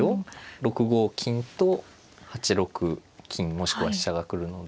６五金と８六金もしくは飛車が来るので。